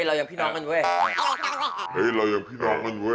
เราอย่างพี่น้องเหมือนเว่ย